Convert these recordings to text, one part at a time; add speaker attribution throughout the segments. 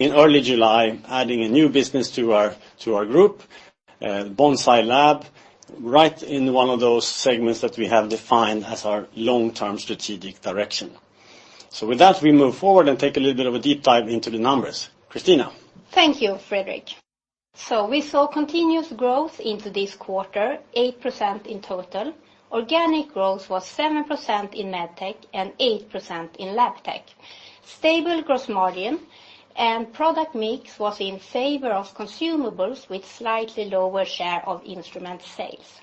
Speaker 1: In early July, adding a new business to our, to our group, Bonsai Lab, right in one of those segments that we have defined as our long-term strategic direction. So with that, we move forward and take a little bit of a deep dive into the numbers. Christina?
Speaker 2: Thank you, Fredrik. So we saw continuous growth into this quarter, 8% in total. Organic growth was 7% in Medtech and 8% in Labtech. Stable gross margin and product mix was in favor of consumables, with slightly lower share of instrument sales.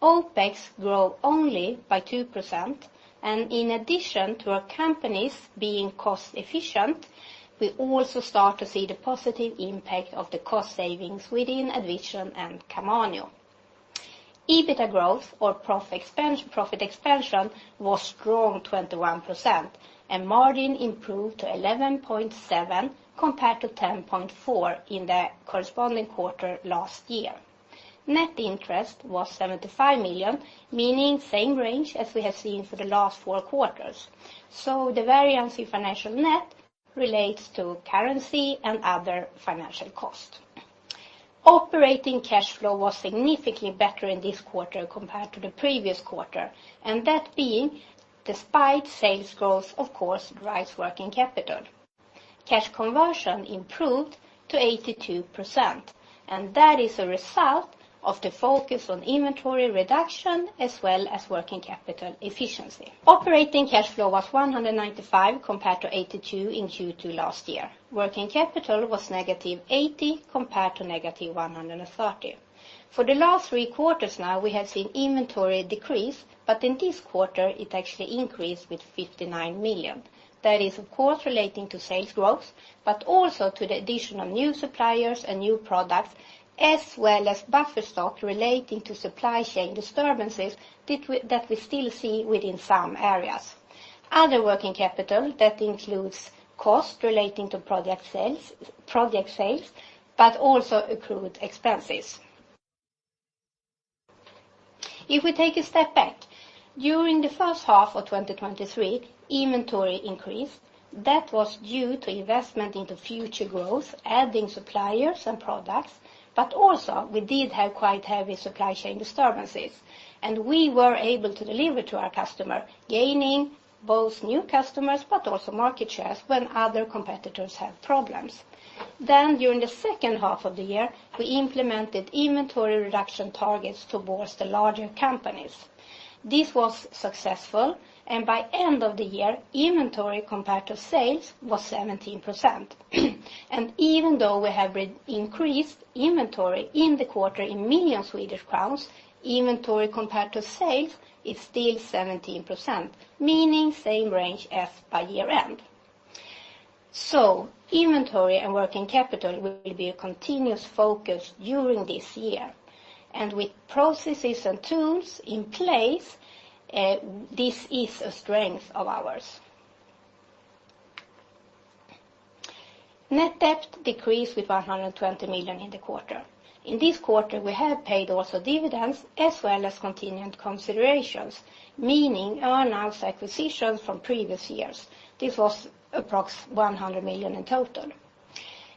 Speaker 2: OPEX grew only by 2%, and in addition to our companies being cost efficient, we also start to see the positive impact of the cost savings within AddVision and Camanio. EBITDA growth or prof expansion, profit expansion was strong, 21%, and margin improved to 11.7%, compared to 10.4% in the corresponding quarter last year. Net interest was 75 million, meaning same range as we have seen for the last four quarters. So the variance in financial net relates to currency and other financial costs. Operating cash flow was significantly better in this quarter compared to the previous quarter, and that being despite sales growth, of course, drives working capital. Cash conversion improved to 82%, and that is a result of the focus on inventory reduction as well as working capital efficiency. Operating cash flow was 195 million, compared to 82 million in Q2 last year. Working capital was -80 million, compared to -130 million. For the last three quarters now, we have seen inventory decrease, but in this quarter, it actually increased with 59 million. That is, of course, relating to sales growth, but also to the additional new suppliers and new products, as well as buffer stock relating to supply chain disturbances that we still see within some areas. Other working capital that includes costs relating to project sales, but also accrued expenses. If we take a step back, during the first half of 2023, inventory increased. That was due to investment into future growth, adding suppliers and products, but also we did have quite heavy supply chain disturbances, and we were able to deliver to our customer, gaining both new customers but also market shares when other competitors have problems. Then, during the second half of the year, we implemented inventory reduction targets towards the larger companies. This was successful, and by end of the year, inventory compared to sales was 17%. Even though we have re-increased inventory in the quarter in million, inventory compared to sales is still 17%, meaning same range as by year-end. So inventory and working capital will be a continuous focus during this year, and with processes and tools in place, this is a strength of ours. Net debt decreased with 120 million in the quarter. In this quarter, we have paid also dividends as well as continued considerations, meaning earn-outs acquisitions from previous years. This was approx 100 million in total.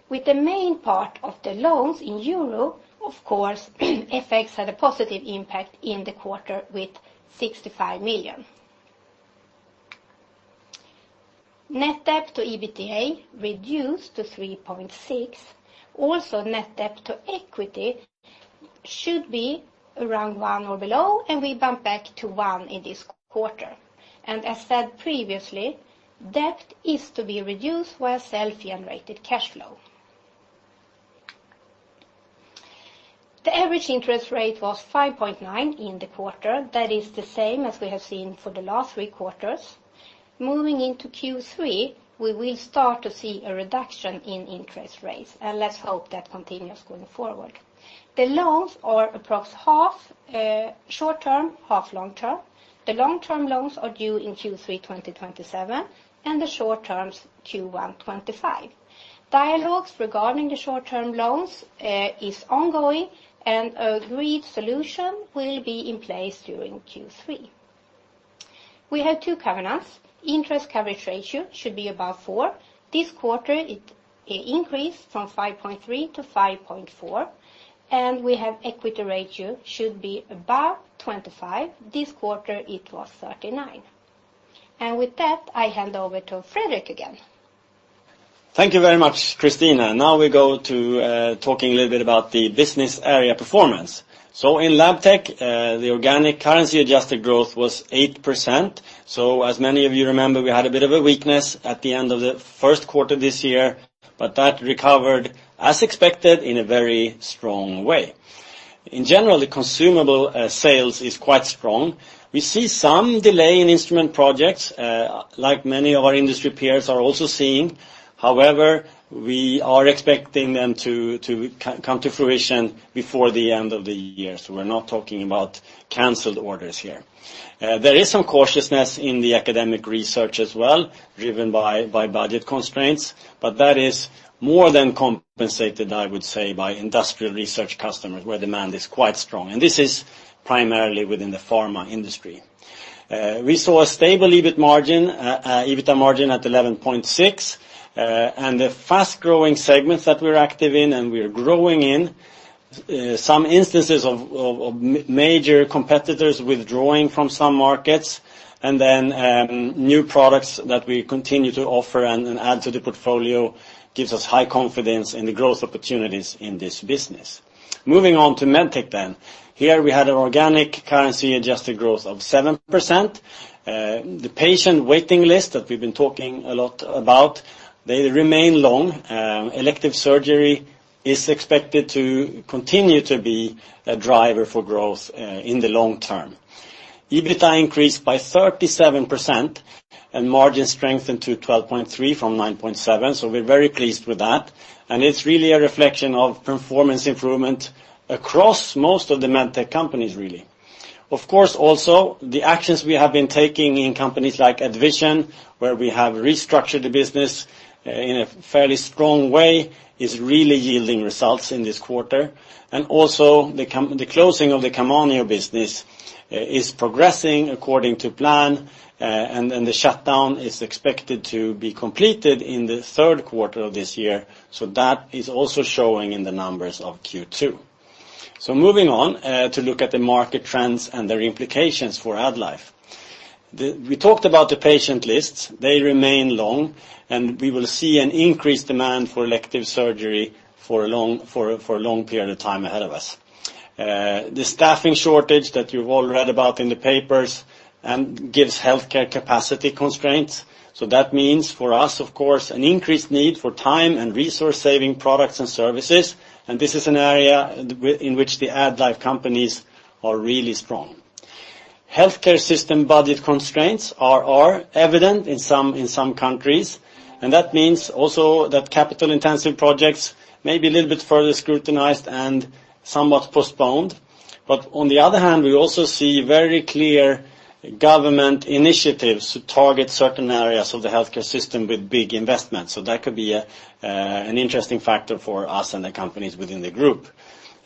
Speaker 2: With the main part of the loans in euro, of course, FX had a positive impact in the quarter with 65 million. Net debt to EBITDA reduced to 3.6. Also, net debt to equity should be around 1 or below, and we bumped back to 1 in this quarter. As said previously, debt is to be reduced by self-generated cash flow. The average interest rate was 5.9% in the quarter. That is the same as we have seen for the last three quarters. Moving into Q3, we will start to see a reduction in interest rates, and let's hope that continues going forward. The loans are approx half short term, half long term. The long-term loans are due in Q3 2027, and the short terms, Q1 2025. Dialogues regarding the short-term loans is ongoing, and agreed solution will be in place during Q3. We have two covenants. Interest coverage ratio should be above 4. This quarter, it increased from 5.3 to 5.4, and we have equity ratio should be above 25. This quarter, it was 39. And with that, I hand over to Fredrik again.
Speaker 1: Thank you very much, Christina. Now we go to talking a little bit about the business area performance. So in Labtech, the organic currency-adjusted growth was 8%. So as many of you remember, we had a bit of a weakness at the end of the first quarter this year, but that recovered as expected, in a very strong way. In general, the consumable sales is quite strong. We see some delay in instrument projects, like many of our industry peers are also seeing. However, we are expecting them to come to fruition before the end of the year, so we're not talking about canceled orders here. There is some cautiousness in the academic research as well, driven by budget constraints, but that is more than compensated, I would say, by industrial research customers, where demand is quite strong, and this is primarily within the pharma industry. We saw a stable EBIT margin, EBITDA margin at 11.6%. And the fast-growing segments that we're active in, and we are growing in, some instances of major competitors withdrawing from some markets, and then, new products that we continue to offer and add to the portfolio, gives us high confidence in the growth opportunities in this business. Moving on to Medtech then. Here, we had an organic currency-adjusted growth of 7%. The patient waiting list that we've been talking a lot about, they remain long. Elective surgery is expected to continue to be a driver for growth in the long term. EBITDA increased by 37%, and margin strengthened to 12.3% from 9.7%, so we're very pleased with that, and it's really a reflection of performance improvement across most of the Medtech companies, really. Of course, also, the actions we have been taking in companies like AddVision, where we have restructured the business in a fairly strong way, is really yielding results in this quarter. The closing of the Camanio business is progressing according to plan, and then the shutdown is expected to be completed in the third quarter of this year. That is also showing in the numbers of Q2. Moving on to look at the market trends and their implications for AddLife. We talked about the patient lists. They remain long, and we will see an increased demand for elective surgery for a long period of time ahead of us. The staffing shortage that you've all read about in the papers gives healthcare capacity constraints, so that means for us, of course, an increased need for time and resource-saving products and services, and this is an area in which the AddLife companies are really strong. Healthcare system budget constraints are evident in some countries, and that means also that capital-intensive projects may be a little bit further scrutinized and somewhat postponed. But on the other hand, we also see very clear government initiatives to target certain areas of the healthcare system with big investments. So that could be a, an interesting factor for us and the companies within the group.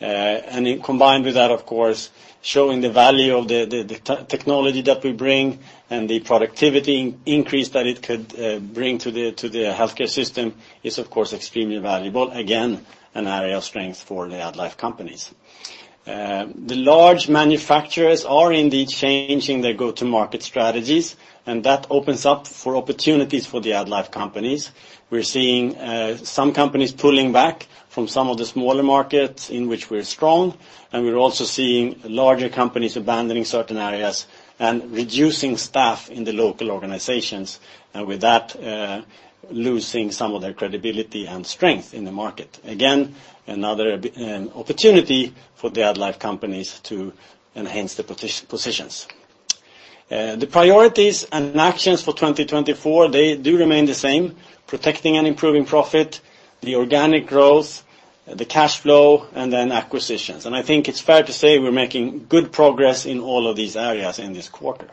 Speaker 1: And then combined with that, of course, showing the value of the technology that we bring and the productivity increase that it could bring to the healthcare system is, of course, extremely valuable. Again, an area of strength for the AddLife companies. The large manufacturers are indeed changing their go-to-market strategies, and that opens up for opportunities for the AddLife companies. We're seeing some companies pulling back from some of the smaller markets in which we're strong, and we're also seeing larger companies abandoning certain areas and reducing staff in the local organizations, and with that, losing some of their credibility and strength in the market. Again, another opportunity for the AddLife companies to enhance their positions. The priorities and actions for 2024, they do remain the same: protecting and improving profit, the organic growth, the cash flow, and then acquisitions. And I think it's fair to say we're making good progress in all of these areas in this quarter.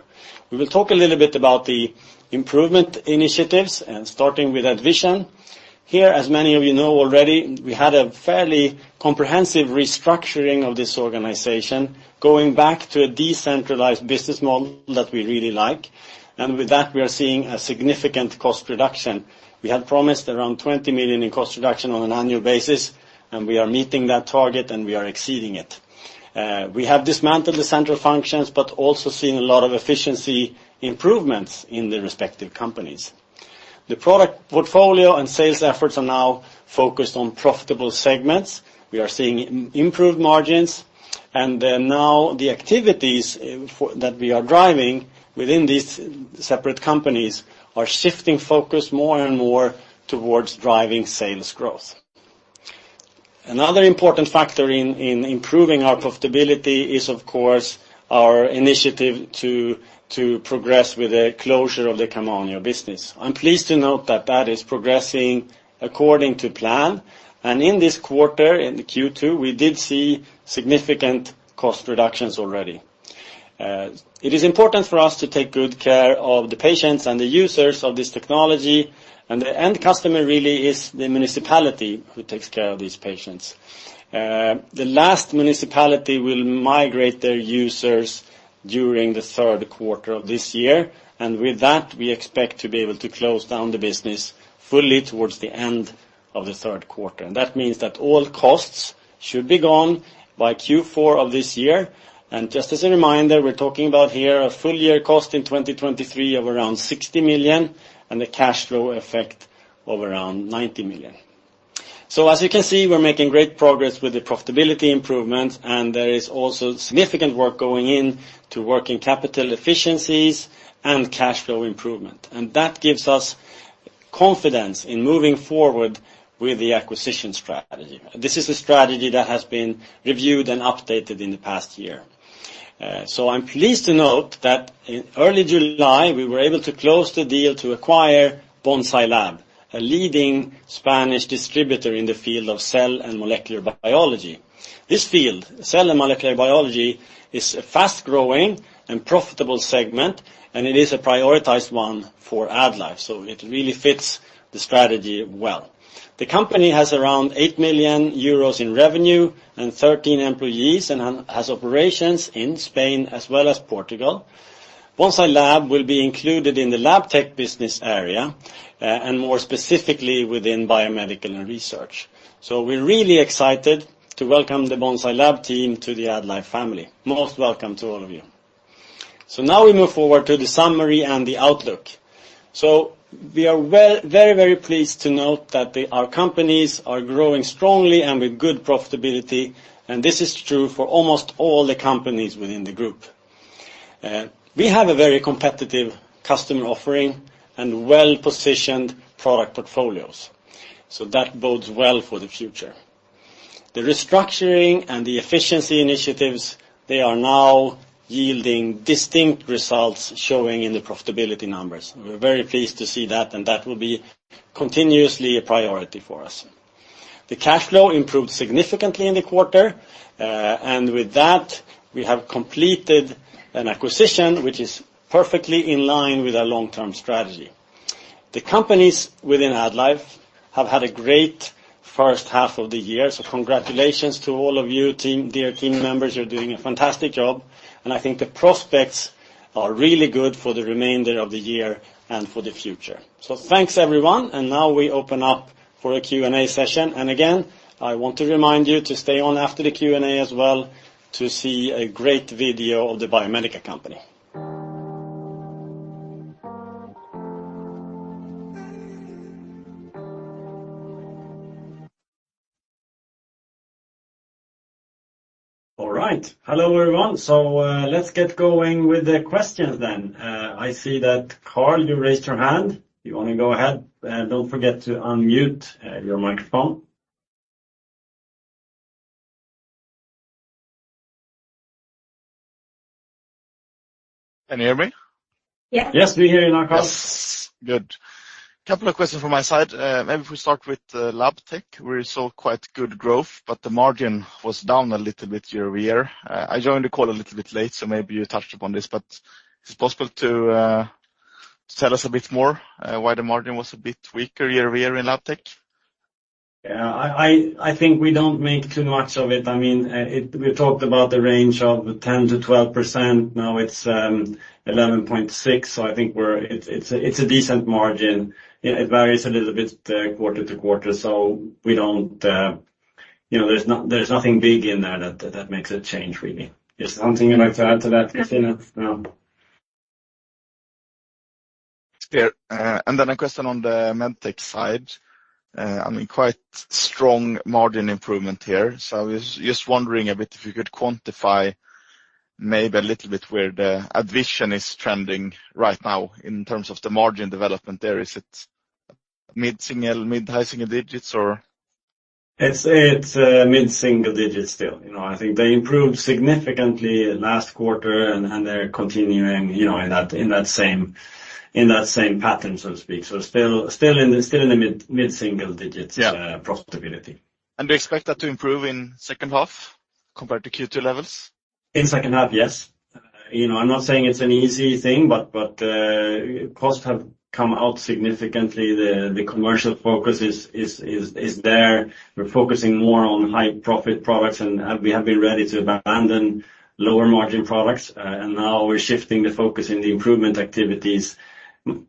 Speaker 1: We will talk a little bit about the improvement initiatives, and starting with AddVision. Here, as many of you know already, we had a fairly comprehensive restructuring of this organization, going back to a decentralized business model that we really like, and with that, we are seeing a significant cost reduction. We had promised around 20 million in cost reduction on an annual basis, and we are meeting that target, and we are exceeding it. We have dismantled the central functions, but also seeing a lot of efficiency improvements in the respective companies. The product portfolio and sales efforts are now focused on profitable segments. We are seeing improved margins, and then now, the activities that we are driving within these separate companies are shifting focus more and more towards driving sales growth. Another important factor in improving our profitability is, of course, our initiative to progress with the closure of the Camanio business. I'm pleased to note that that is progressing according to plan, and in this quarter, in the Q2, we did see significant cost reductions already. It is important for us to take good care of the patients and the users of this technology, and the end customer really is the municipality who takes care of these patients. The last municipality will migrate their users during the third quarter of this year, and with that, we expect to be able to close down the business fully towards the end of the third quarter. And that means that all costs should be gone by Q4 of this year. And just as a reminder, we're talking about here a full-year cost in 2023 of around 60 million, and a cash flow effect of around 90 million. So as you can see, we're making great progress with the profitability improvements, and there is also significant work going in to working capital efficiencies and cash flow improvement, and that gives us confidence in moving forward with the acquisition strategy. This is a strategy that has been reviewed and updated in the past year. So I'm pleased to note that in early July, we were able to close the deal to acquire Bonsai Lab, a leading Spanish distributor in the field of cell and molecular biology. This field, cell and molecular biology, is a fast-growing and profitable segment, and it is a prioritized one for AddLife, so it really fits the strategy well. The company has around 8 million euros in revenue and 13 employees, and has operations in Spain as well as Portugal. Bonsai Lab will be included in the lab tech business area, and more specifically within biomedical and research. So we're really excited to welcome the Bonsai Lab team to the AddLife family. Most welcome to all of you. So now we move forward to the summary and the outlook. So we are very, very pleased to note that our companies are growing strongly and with good profitability, and this is true for almost all the companies within the group. We have a very competitive customer offering and well-positioned product portfolios, so that bodes well for the future. The restructuring and the efficiency initiatives, they are now yielding distinct results, showing in the profitability numbers. We're very pleased to see that, and that will be continuously a priority for us. The cash flow improved significantly in the quarter, and with that, we have completed an acquisition which is perfectly in line with our long-term strategy. The companies within AddLife have had a great first half of the year, so congratulations to all of you, team, dear team members, you're doing a fantastic job, and I think the prospects are really good for the remainder of the year and for the future. So thanks, everyone, and now we open up for a Q&A session. Again, I want to remind you to stay on after the Q&A as well, to see a great video of the Biomedica company. All right. Hello, everyone. So, let's get going with the questions then. I see that, Karl, you raised your hand. You want to go ahead? Don't forget to unmute your microphone.
Speaker 3: Can you hear me?
Speaker 1: Yes, we hear you now, Karl.
Speaker 3: Yes. Good. Couple of questions from my side. Maybe if we start with Labtech, we saw quite good growth, but the margin was down a little bit year-over-year. I joined the call a little bit late, so maybe you touched upon this, but is it possible to tell us a bit more why the margin was a bit weaker year-over-year in Labtech?
Speaker 1: Yeah, I think we don't make too much of it. I mean, we talked about the range of 10%-12%. Now it's 11.6%, so I think we're... It's a decent margin. Yeah, it varies a little bit, quarter to quarter, so we don't, you know, there's nothing big in there that makes it change, really. Is there something you'd like to add to that, Christina? No.
Speaker 3: It's clear. And then a question on the Medtech side. I mean, quite strong margin improvement here. So I was just wondering a bit if you could quantify maybe a little bit where the AddVision is trending right now in terms of the margin development there. Is it mid-single, mid-high single digits, or?
Speaker 1: It's, it's, mid-single digits still. You know, I think they improved significantly last quarter, and, and they're continuing, you know, in that, in that same, in that same pattern, so to speak. So still, still in the, still in the mid, mid-single digits profitability.
Speaker 3: Do you expect that to improve in second half compared to Q2 levels?
Speaker 1: In second half, yes. You know, I'm not saying it's an easy thing, but costs have come out significantly. The commercial focus is there. We're focusing more on high profit products, and we have been ready to abandon lower margin products. And now we're shifting the focus in the improvement activities,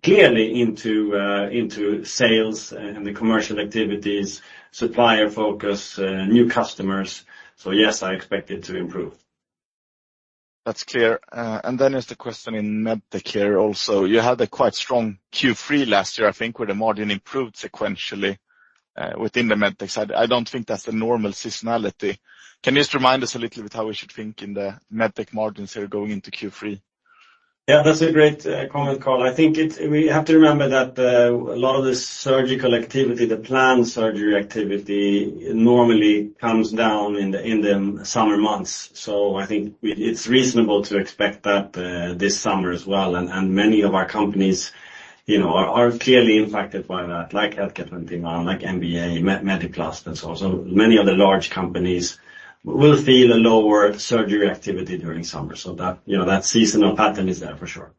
Speaker 1: clearly into sales and the commercial activities, supplier focus, new customers. So yes, I expect it to improve.
Speaker 3: That's clear. And then there's the question in Medtech here also. You had a quite strong Q3 last year, I think, where the margin improved sequentially, within the Medtech side. I don't think that's the normal seasonality. Can you just remind us a little bit how we should think in the Medtech margins here going into Q3?
Speaker 1: Yeah, that's a great comment, Karl. I think it's... We have to remember that a lot of the surgical activity, the planned surgery activity, normally comes down in the summer months. So I think it's reasonable to expect that this summer as well. And many of our companies, you know, are clearly impacted by that, like Healthcare 21, like MBA, Mediplast. So many of the large companies will feel a lower surgery activity during summer. So that, you know, that seasonal pattern is there for sure.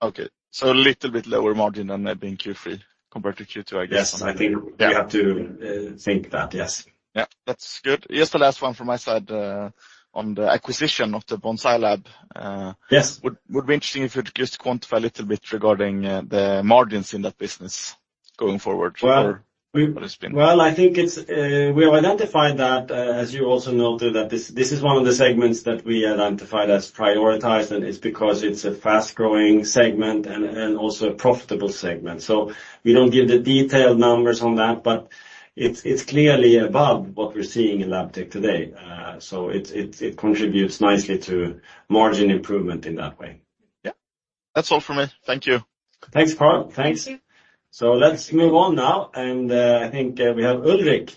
Speaker 3: Okay, so a little bit lower margin than maybe in Q3 compared to Q2, I guess.
Speaker 1: Yes, I think.
Speaker 3: Yeah
Speaker 1: We have to think that. Yes.
Speaker 3: Yeah, that's good. Just the last one from my side, on the acquisition of the Bonsai Lab,
Speaker 1: Yes.
Speaker 3: Would be interesting if you'd just quantify a little bit regarding the margins in that business going forward or what it's been.
Speaker 1: Well, I think it's, we have identified that, as you also noted, that this, this is one of the segments that we identified as prioritized, and it's because it's a fast-growing segment and, and also a profitable segment. So we don't give the detailed numbers on that, but it's, it's clearly above what we're seeing in Labtech today. So it's, it, it contributes nicely to margin improvement in that way.
Speaker 3: Yeah. That's all for me. Thank you.
Speaker 1: Thanks, Karl. Thanks.
Speaker 2: Thank you.
Speaker 1: So let's move on now, and I think we have Ulrich.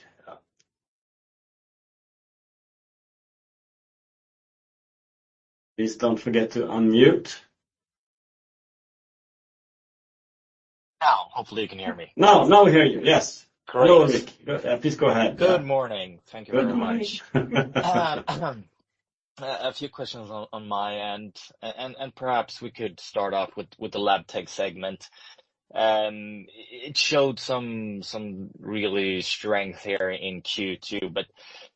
Speaker 1: Please don't forget to unmute.
Speaker 4: Now, hopefully, you can hear me.
Speaker 1: Now, now we hear you. Yes. Great. Ulrich, please go ahead.
Speaker 4: Good morning. Thank you very much.
Speaker 2: Good morning.
Speaker 4: A few questions on my end, and perhaps we could start off with the Labtech segment. It showed some really strength here in Q2, but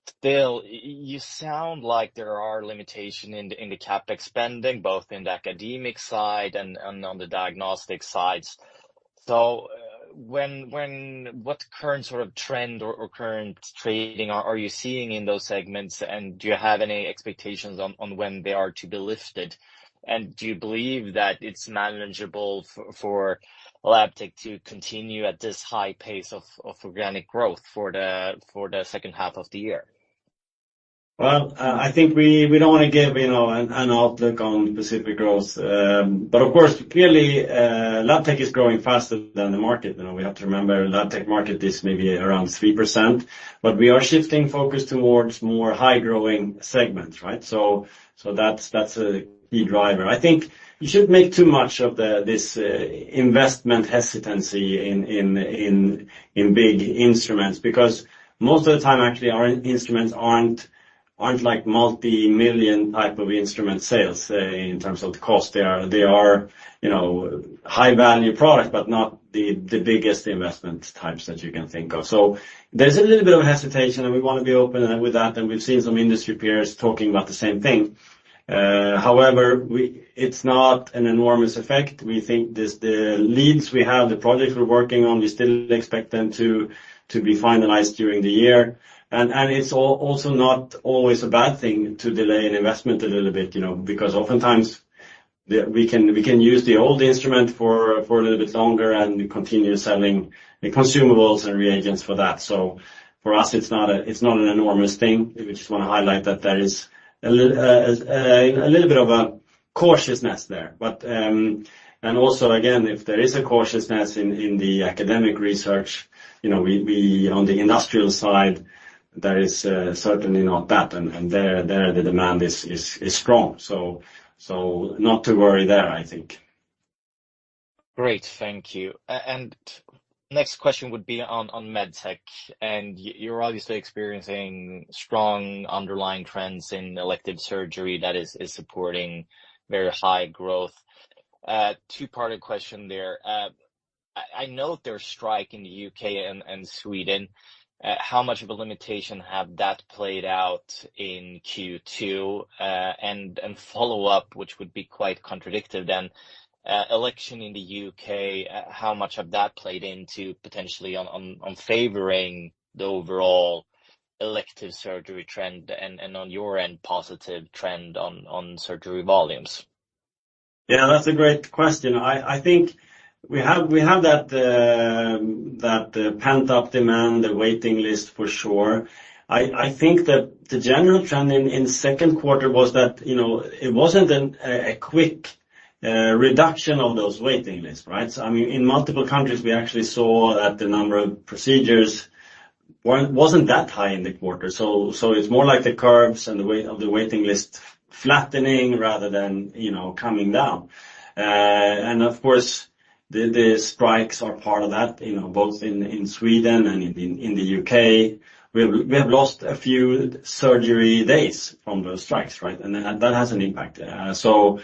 Speaker 4: still, you sound like there are limitation in the CapEx spending, both in the academic side and on the diagnostic sides. So what current sort of trend or current trading are you seeing in those segments? And do you have any expectations on when they are to be lifted? And do you believe that it's manageable for Labtech to continue at this high pace of organic growth for the second half of the year?
Speaker 1: Well, I think we don't wanna give, you know, an outlook on specific growth. But of course, clearly, Labtech is growing faster than the market. You know, we have to remember, Labtech market is maybe around 3%, but we are shifting focus towards more high-growing segments, right? So that's a key driver. I think you shouldn't make too much of this investment hesitancy in big instruments, because most of the time, actually, our instruments aren't like multi-million type of instrument sales in terms of the cost. They are, you know, high-value product, but not the biggest investment types that you can think of. So there's a little bit of a hesitation, and we want to be open with that, and we've seen some industry peers talking about the same thing. However, it's not an enormous effect. We think this, the leads we have, the projects we're working on, we still expect them to be finalized during the year. And it's also not always a bad thing to delay an investment a little bit, you know, because oftentimes we can use the old instrument for a little bit longer and continue selling the consumables and reagents for that. So for us, it's not an enormous thing. We just wanna highlight that there is a little bit of a cautiousness there. But and also, again, if there is a cautiousness in the academic research, you know, we, on the industrial side, there is certainly not that, and there, the demand is strong. So, so not to worry there, I think.
Speaker 4: Great. Thank you. And next question would be on Medtech. And you're obviously experiencing strong underlying trends in elective surgery that is supporting very high growth. Two-parted question there. I know there's strike in the U.K. and Sweden. How much of a limitation have that played out in Q2? And follow-up, which would be quite contradictive then, election in the U.K, how much have that played into potentially on favoring the overall elective surgery trend and on your end, positive trend on surgery volumes?
Speaker 1: Yeah, that's a great question. I think we have that pent-up demand, the waiting list, for sure. I think that the general trend in the second quarter was that, you know, it wasn't a quick reduction of those waiting lists, right? So, I mean, in multiple countries, we actually saw that the number of procedures wasn't that high in the quarter. So it's more like the curves and the wait of the waiting list flattening rather than, you know, coming down. And of course, the strikes are part of that, you know, both in Sweden and in the U.K.. We have lost a few surgery days from those strikes, right? And that has an impact. So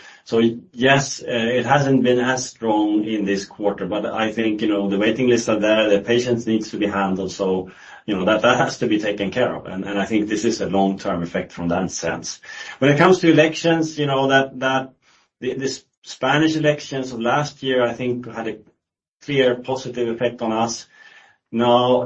Speaker 1: yes, it hasn't been as strong in this quarter, but I think, you know, the waiting lists are there, the patients needs to be handled, so, you know, that has to be taken care of. And I think this is a long-term effect from that sense. When it comes to elections, you know, that, the Spanish elections of last year, I think, had a clear positive effect on us. Now,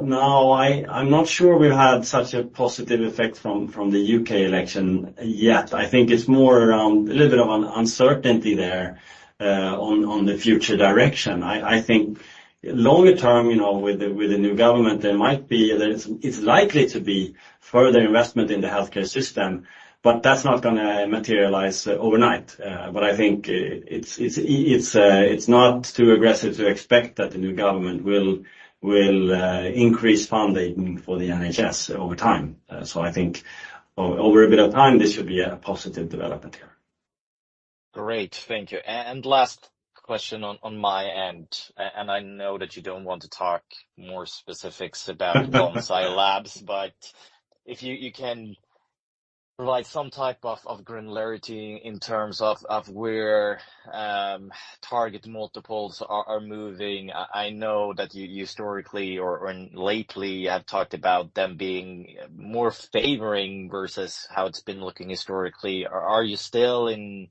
Speaker 1: I'm not sure we've had such a positive effect from the U.K. election yet. I think it's more around a little bit of uncertainty there, on the future direction. I think longer term, you know, with the new government, there might be, it's likely to be further investment in the healthcare system, but that's not gonna materialize overnight. But I think it's not too aggressive to expect that the new government will increase funding for the NHS over time. So I think over a bit of time, this should be a positive development here.
Speaker 4: Great. Thank you. And last question on my end, and I know that you don't want to talk more specifics about Bonsai Lab, but if you can provide some type of granularity in terms of where target multiples are moving. I know that you historically and lately have talked about them being more favoring versus how it's been looking historically. Are you still in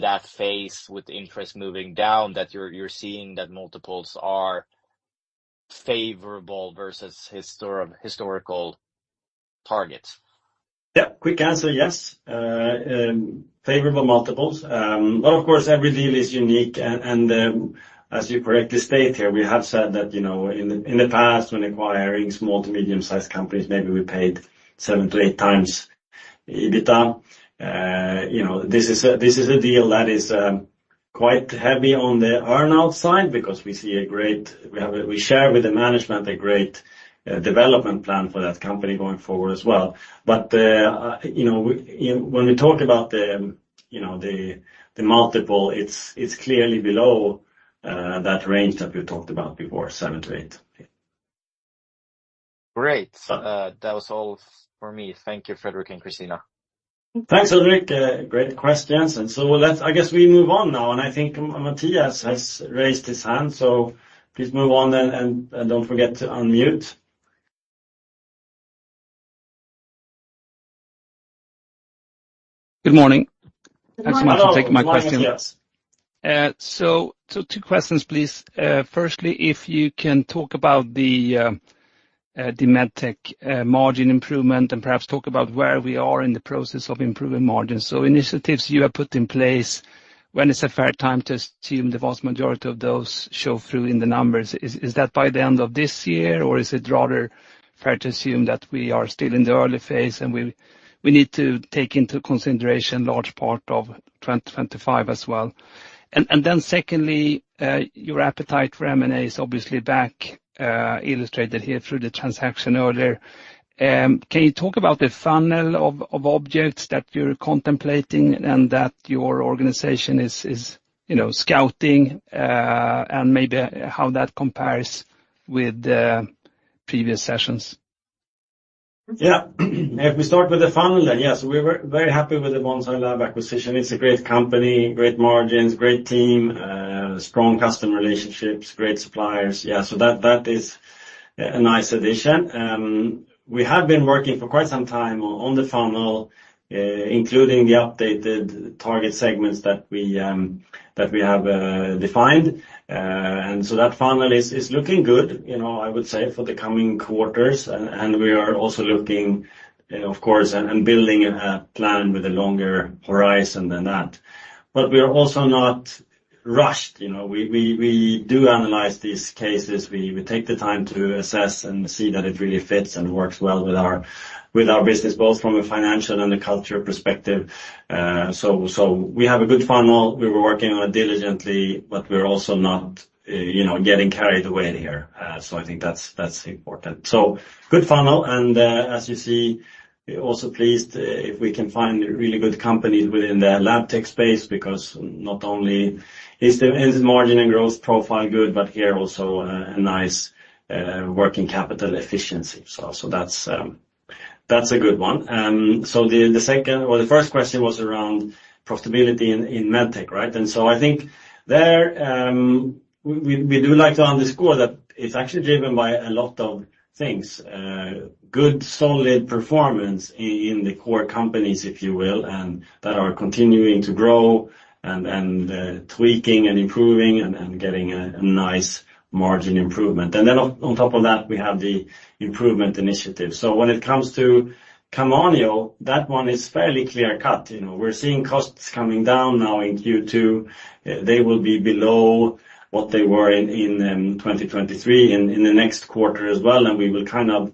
Speaker 4: that phase with interest moving down, that you're seeing that multiples are favorable versus historical targets?
Speaker 1: Yeah. Quick answer, yes, favorable multiples. But of course, every deal is unique, and, as you correctly state here, we have said that, you know, in the past, when acquiring small to medium-sized companies, maybe we paid 7x-8x EBITDA. You know, this is a deal that is quite heavy on the earn-out side because we see a great- we have a-- we share with the management a great development plan for that company going forward as well. But, you know, we, when we talk about the, you know, the multiple, it's clearly below that range that we talked about before, 7x-8x.
Speaker 4: .Great. That was all for me. Thank you, Fredrik and Christina.
Speaker 1: Thanks, Fredrik. Great questions. Let's—I guess we move on now, and I think Mattias has raised his hand, so please move on, and, and, and don't forget to unmute.
Speaker 5: Good morning.
Speaker 1: Good morning.
Speaker 2: Good morning.
Speaker 5: Thanks so much for taking my question.
Speaker 1: Yes.
Speaker 5: So two questions, please. First, if you can talk about the Medtech margin improvement and perhaps talk about where we are in the process of improving margins. Initiatives you have put in place, when is it a fair time to assume the vast majority of those show through in the numbers? Is that by the end of this year, or is it rather fair to assume that we are still in the early phase, and we need to take into consideration large part of 2025 as well? And then, secondly, your appetite for M&A is obviously back, illustrated here through the transaction earlier. Can you talk about the funnel of objects that you're contemplating and that your organization is you know, scouting, and maybe how that compares with the previous sessions?
Speaker 1: Yeah. If we start with the funnel, then, yes, we were very happy with the Bonsai Lab acquisition. It's a great company, great margins, great team, strong customer relationships, great suppliers. Yeah, so that, that is a nice addition. We have been working for quite some time on the funnel, including the updated target segments that we, that we have defined. And so that funnel is, is looking good, you know, I would say, for the coming quarters, and, and we are also looking, of course, and, and building a plan with a longer horizon than that. But we are also not rushed. You know, we, we, we do analyze these cases. We, we take the time to assess and see that it really fits and works well with our, with our business, both from a financial and a culture perspective. So, so we have a good funnel. We were working on it diligently, but we're also not, you know, getting carried away in here. So I think that's, that's important. So good funnel, and, as you see, we're also pleased if we can find really good companies within the Labtech space, because not only is the margin and growth profile good, but here also, a nice, working capital efficiency. So, so that's, that's a good one. So the, the second or the first question was around profitability in, in Medtech, right? And so I think there, we, we, we do like to underscore that it's actually driven by a lot of things. Good, solid performance in the core companies, if you will, and that are continuing to grow and tweaking and improving and getting a nice margin improvement. And then on top of that, we have the improvement initiative. So when it comes to Camanio, that one is fairly clear-cut. You know, we're seeing costs coming down now in Q2. They will be below what they were in 2023 and in the next quarter as well, and we will kind of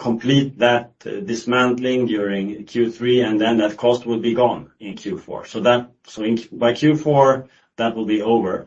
Speaker 1: complete that dismantling during Q3, and then that cost will be gone in Q4. So that... So in, by Q4, that will be over.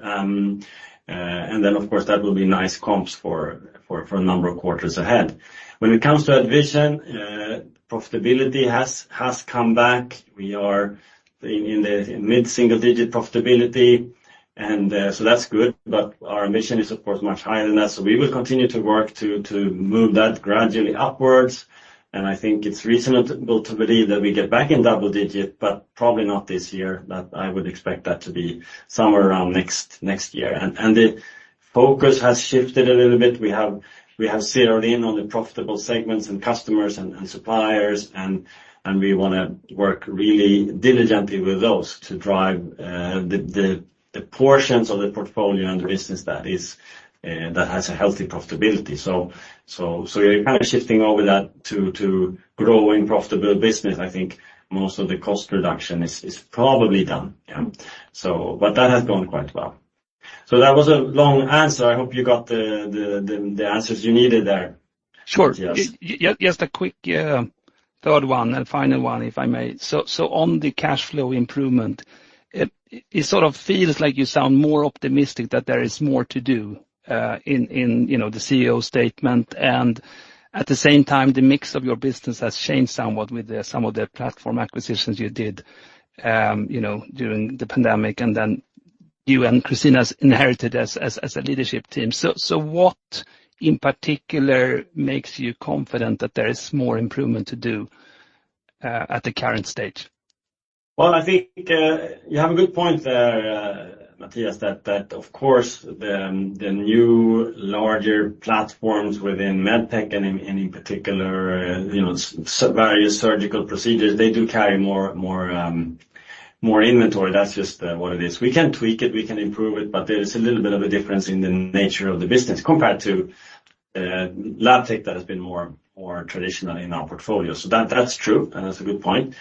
Speaker 1: And then, of course, that will be nice comps for a number of quarters ahead. When it comes to AddVision, profitability has come back. We are in the mid-single-digit profitability, and so that's good, but our ambition is, of course, much higher than that. So we will continue to work to move that gradually upwards, and I think it's reasonable to believe that we get back in double digit, but probably not this year. That I would expect that to be somewhere around next year. And the focus has shifted a little bit. We have zeroed in on the profitable segments and customers and suppliers, and we wanna work really diligently with those to drive the portions of the portfolio and the business that has a healthy profitability. So you're kind of shifting over that to growing profitable business. I think most of the cost reduction is probably done. Yeah. So, but that has gone quite well. So that was a long answer. I hope you got the answers you needed there.
Speaker 5: Sure.
Speaker 1: Yes.
Speaker 5: Just a quick, third one and final one, if I may. So, on the cash flow improvement, it sort of feels like you sound more optimistic that there is more to do, in you know, the CEO statement. And at the same time, the mix of your business has changed somewhat with some of the platform acquisitions you did, you know, during the pandemic, and then you and Christina's inherited as a leadership team. So, what, in particular, makes you confident that there is more improvement to do, at the current stage?
Speaker 1: Well, I think you have a good point there, Mattias, that of course the new larger platforms within Medtech and in any particular, you know, various surgical procedures, they do carry more, more, more inventory. That's just what it is. We can tweak it, we can improve it, but there is a little bit of a difference in the nature of the business compared to Labtech that has been more, more traditional in our portfolio. So that's true, and that's a good point.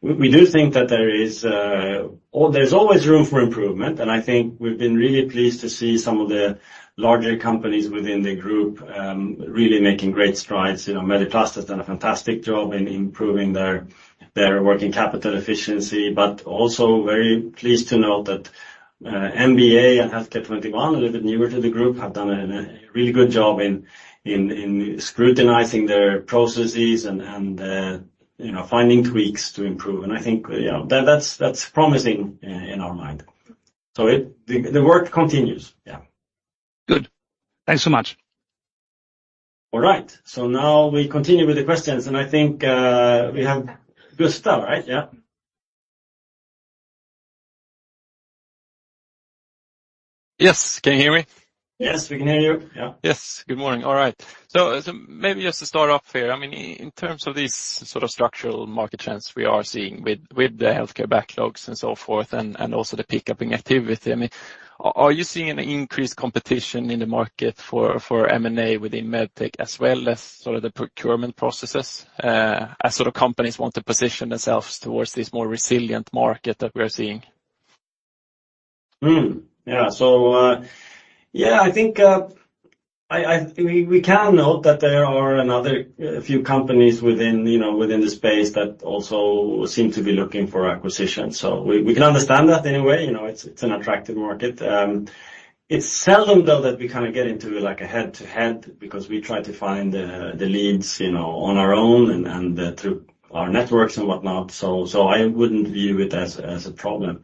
Speaker 1: We do think that there is... Oh, there's always room for improvement, and I think we've been really pleased to see some of the larger companies within the group really making great strides. You know, Mediplast has done a fantastic job in improving their working capital efficiency, but also very pleased to note that, MBA and Healthcare 21, a little bit newer to the group, have done a really good job in scrutinizing their processes and, you know, finding tweaks to improve. And I think, yeah, that, that's promising in our mind.... So it, the work continues. Yeah.
Speaker 5: Good. Thanks so much.
Speaker 1: All right, so now we continue with the questions, and I think, we have Gustaf right? Yeah.
Speaker 6: Yes. Can you hear me?
Speaker 1: Yes, we can hear you. Yeah.
Speaker 6: Yes. Good morning. All right. So maybe just to start off here, I mean, in terms of these sort of structural market trends we are seeing with the healthcare backlogs and so forth, and also the picking up activity, I mean, are you seeing an increased competition in the market for M&A within Medtech, as well as sort of the procurement processes, as sort of companies want to position themselves towards this more resilient market that we are seeing?
Speaker 1: Yeah. So, yeah, I think we can note that there are a few companies within, you know, within the space that also seem to be looking for acquisition. So we can understand that anyway, you know, it's an attractive market. It's seldom, though, that we kind of get into like a head-to-head, because we try to find the leads, you know, on our own and through our networks and whatnot, so I wouldn't view it as a problem.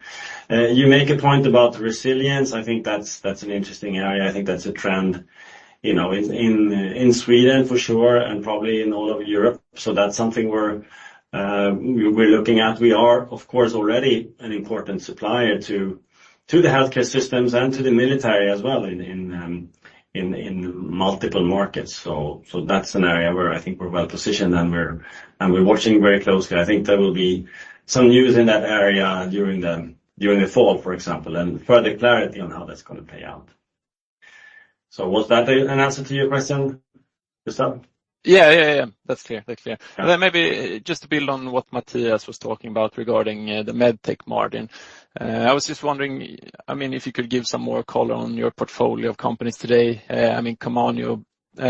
Speaker 1: You make a point about resilience. I think that's an interesting area. I think that's a trend, you know, in Sweden for sure, and probably all over Europe. So that's something we're looking at. We are, of course, already an important supplier to the healthcare systems and to the military as well, in multiple markets. So that's an area where I think we're well positioned, and we're watching very closely. I think there will be some news in that area during the fall, for example, and further clarity on how that's going to play out. So was that an answer to your question, Gustaf?
Speaker 6: Yeah, yeah, yeah. That's clear. That's clear. And then maybe just to build on what Mattias was talking about regarding the Medtech margin. I was just wondering, I mean, if you could give some more color on your portfolio of companies today, I mean, Camanio, you,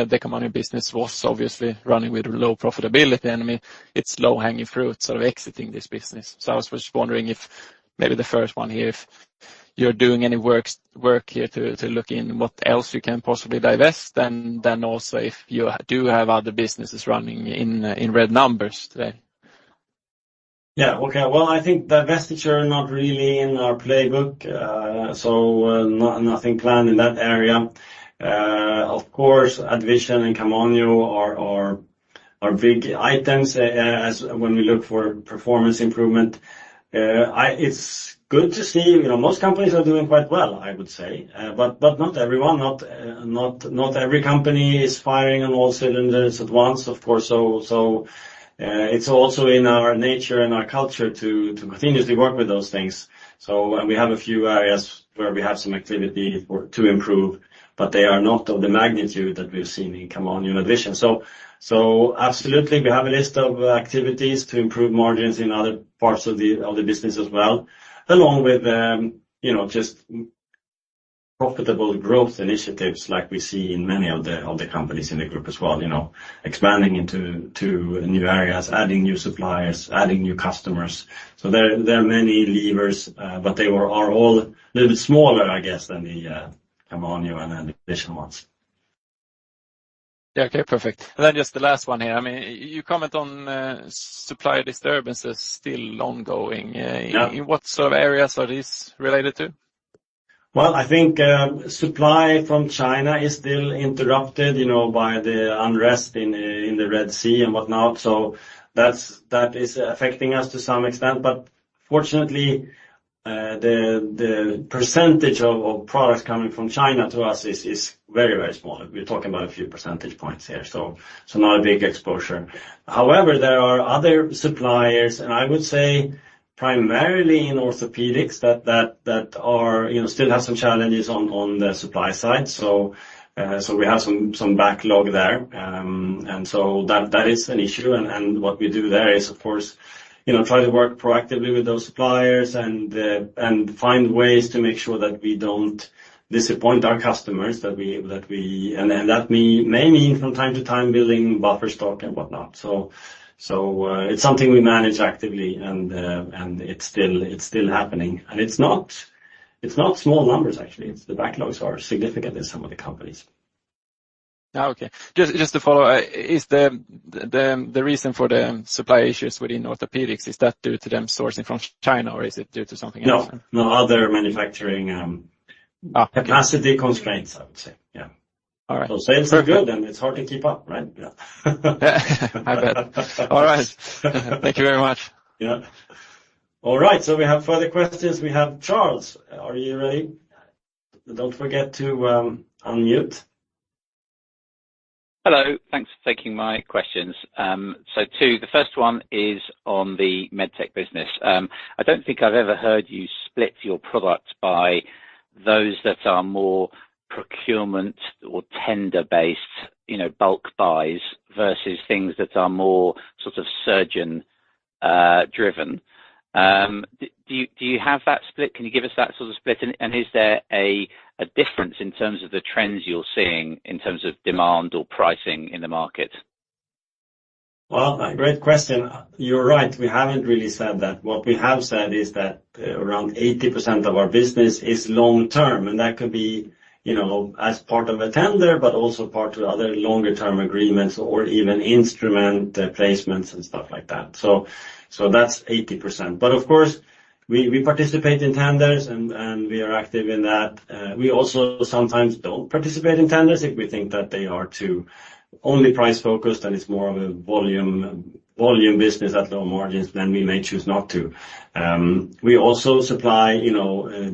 Speaker 6: the Camanio business was obviously running with low profitability. I mean, it's low-hanging fruit, sort of exiting this business. So I was just wondering if maybe the first one here, if you're doing any work here to look into what else you can possibly divest, then also if you do have other businesses running in red numbers today.
Speaker 1: Yeah. Okay. Well, I think divestiture are not really in our playbook, so, nothing planned in that area. Of course, AddVision and Camanio are big items, as when we look for performance improvement. It's good to see, you know, most companies are doing quite well, I would say, but not everyone, not every company is firing on all cylinders at once, of course. So, it's also in our nature and our culture to continuously work with those things. So, and we have a few areas where we have some activity to improve, but they are not of the magnitude that we've seen in Camanio, in addition. So absolutely, we have a list of activities to improve margins in other parts of the business as well, along with, you know, just profitable growth initiatives like we see in many of the companies in the group as well, you know, expanding into new areas, adding new suppliers, adding new customers. So there are many levers, but they are all a little bit smaller, I guess, than the Camanio and then the AddVision ones.
Speaker 6: Yeah. Okay, perfect. And then just the last one here. I mean, you comment on, supply disturbances still ongoing.
Speaker 1: Yeah.
Speaker 6: In what sort of areas are these related to?
Speaker 1: Well, I think, supply from China is still interrupted, you know, by the unrest in, in the Red Sea and whatnot. So that's, that is affecting us to some extent, but fortunately, the, the percentage of, of products coming from China to us is, is very, very small. We're talking about a few percentage points here, so, so not a big exposure. However, there are other suppliers, and I would say primarily in orthopedics, that, that, that are, you know, still have some challenges on, on the supply side. So, so we have some, some backlog there. And so that, that is an issue. And, and what we do there is, of course, you know, try to work proactively with those suppliers and, and find ways to make sure that we don't disappoint our customers, that we, that we... And then that may mean from time to time, building buffer stock and whatnot. So, it's something we manage actively, and it's still, it's still happening. And it's not, it's not small numbers, actually. It's the backlogs are significant in some of the companies.
Speaker 6: Okay. Just to follow, is the reason for the supply issues within orthopedics due to them sourcing from China, or is it due to something else?
Speaker 1: No, no, other manufacturing capacity constraints, I would say. Yeah.
Speaker 6: All right.
Speaker 1: Sales are good, and it's hard to keep up, right? Yeah.
Speaker 6: I bet. All right. Thank you very much.
Speaker 1: Yeah. All right, so we have further questions. We have Charles, are you ready? Don't forget to unmute.
Speaker 7: Hello, thanks for taking my questions. So two, the first one is on the Medtech business. I don't think I've ever heard you split your product by those that are more procurement or tender-based, you know, bulk buys versus things that are more sort of surgeon driven. Do you, do you have that split? Can you give us that sort of split? And is there a difference in terms of the trends you're seeing in terms of demand or pricing in the market?
Speaker 1: Well, a great question. You're right, we haven't really said that. What we have said is that around 80% of our business is long-term, and that could be you know, as part of a tender, but also part to other longer-term agreements or even instrument placements and stuff like that. So that's 80%. But of course, we participate in tenders, and we are active in that. We also sometimes don't participate in tenders if we think that they are too only price-focused, and it's more of a volume business at low margins, then we may choose not to. We also supply, you know,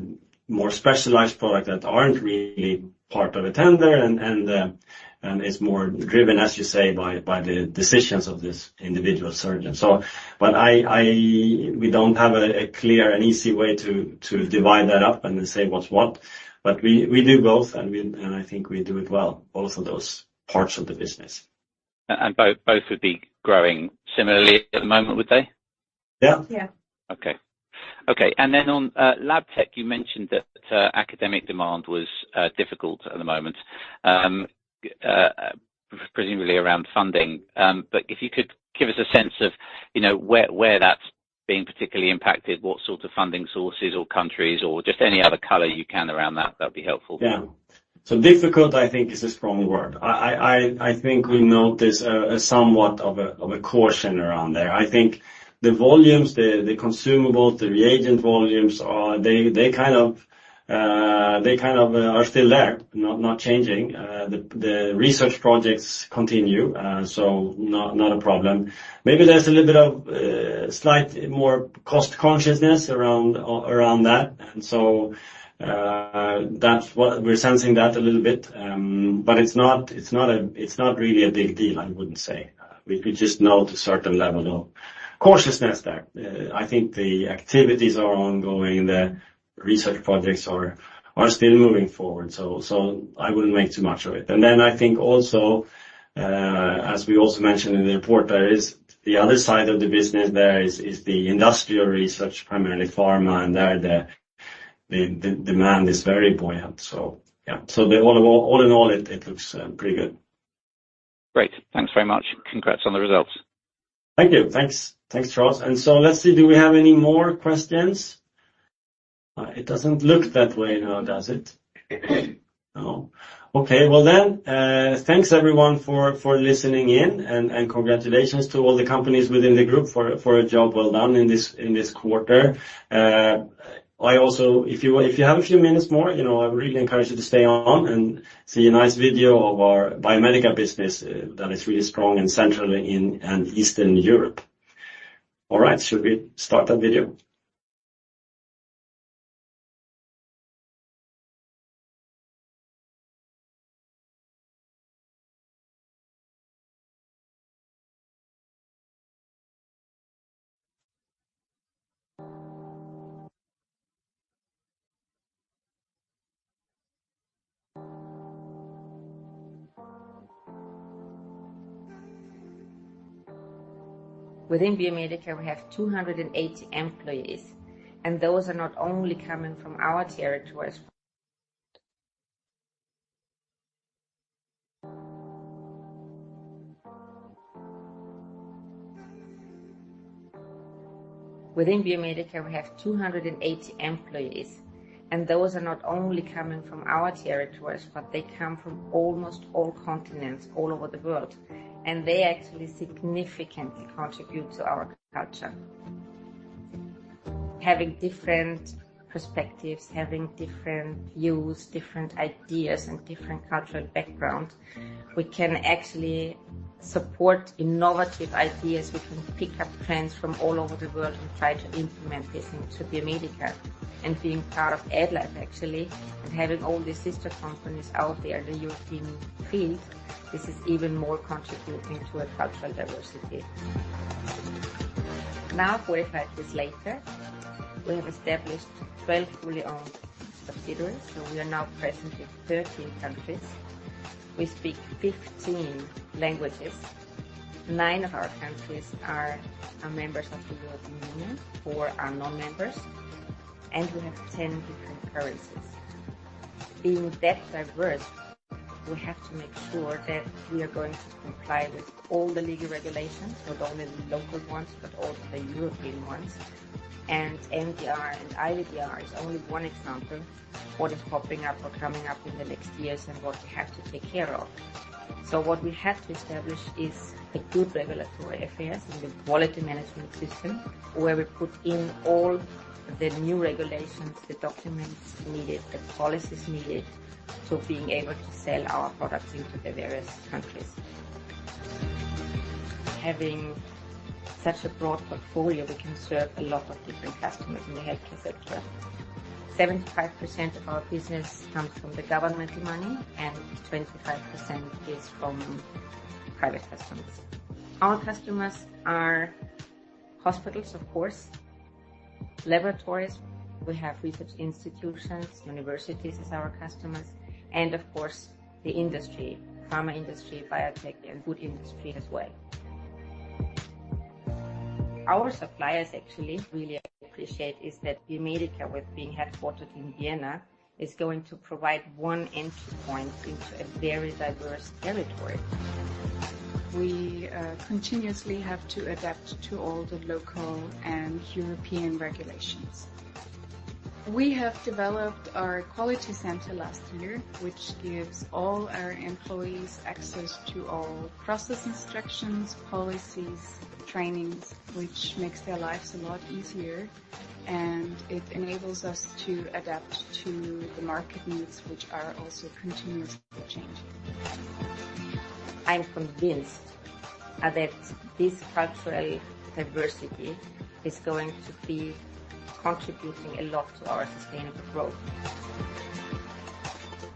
Speaker 1: more specialized products that aren't really part of a tender, and it's more driven, as you say, by the decisions of this individual surgeon. So, but we don't have a clear and easy way to divide that up and then say what's what, but we do both, and I think we do it well, both of those parts of the business.
Speaker 7: Both, both would be growing similarly at the moment, would they?
Speaker 1: Yeah.
Speaker 2: Yeah.
Speaker 7: Okay. Okay, and then on, Labtech, you mentioned that, academic demand was, difficult at the moment, presumably around funding. But if you could give us a sense of, you know, where, where that's being particularly impacted, what sorts of funding sources or countries or just any other color you can around that, that'd be helpful.
Speaker 1: Yeah. So difficult, I think, is a strong word. I think we notice a somewhat of a caution around there. I think the volumes, the consumables, the reagent volumes, are—they kind of are still there, not changing. The research projects continue, so not a problem. Maybe there's a little bit of slight more cost consciousness around that, and so, that's what we're sensing that a little bit. But it's not a—it's not really a big deal, I wouldn't say. We just note a certain level of cautiousness there. I think the activities are ongoing, the research projects are still moving forward, so I wouldn't make too much of it. And then I think also, as we also mentioned in the report, there is the other side of the business, there is the industrial research, primarily pharma, and there the demand is very buoyant. So, yeah. So all in all, it looks pretty good.
Speaker 7: Great. Thanks very much. Congrats on the results.
Speaker 1: Thank you. Thanks. Thanks, Charles. Let's see, do we have any more questions? It doesn't look that way now, does it? No. Okay, well then, thanks everyone for listening in, and congratulations to all the companies within the group for a job well done in this quarter. I also—if you have a few minutes more, you know, I really encourage you to stay on and see a nice video of our Biomedica business, that is really strong in Central and Eastern Europe. All right, should we start that video?
Speaker 8: Within Biomedica, we have 280 employees, and those are not only coming from our territories. Within Biomedica, we have 280 employees, and those are not only coming from our territories, but they come from almost all continents all over the world, and they actually significantly contribute to our culture. Having different perspectives, having different views, different ideas, and different cultural backgrounds, we can actually support innovative ideas. We can pick up trends from all over the world and try to implement this into Biomedica. And being part of AddLife, actually, and having all these sister companies out there in the European field, this is even more contributing to a cultural diversity. Now, 45 years later, we have established 12 fully owned subsidiaries, so we are now present in 13 countries. We speak 15 languages. 9 of our countries are members of the European Union, 4 are non-members, and we have 10 different currencies. Being that diverse, we have to make sure that we are going to comply with all the legal regulations, not only the local ones, but also the European ones. MDR and IVDR is only one example what is popping up or coming up in the next years and what we have to take care of. What we had to establish is a good regulatory affairs and a quality management system, where we put in all the new regulations, the documents needed, the policies needed to being able to sell our products into the various countries. Having such a broad portfolio, we can serve a lot of different customers in the healthcare sector. 75% of our business comes from the governmental money, and 25% is from private customers. Our customers are hospitals, of course, laboratories. We have research institutions, universities as our customers, and of course, the industry, pharma industry, biotech, and food industry as well. Our suppliers actually really appreciate is that Biomedica, with being headquartered in Vienna, is going to provide one entry point into a very diverse territory. We continuously have to adapt to all the local and European regulations. We have developed our quality center last year, which gives all our employees access to all process instructions, policies, trainings, which makes their lives a lot easier, and it enables us to adapt to the market needs, which are also continuously changing. I'm convinced that this cultural diversity is going to be contributing a lot to our sustainable growth.